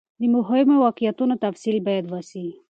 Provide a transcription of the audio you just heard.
د مهمو واقعیتونو تفصیل باید وسي.